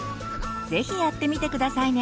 是非やってみて下さいね。